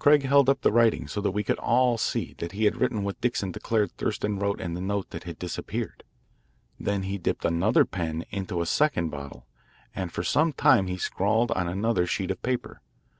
Craig held up the writing so that we could all see that he had written what Dixon declared Thurston wrote in the note that had disappeared. Then he dipped another pen into a second bottle, and for some time he scrawled on another sheet of paper.